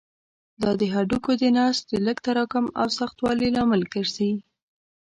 دا د هډوکو د نسج د لږ تراکم او سختوالي لامل ګرځي.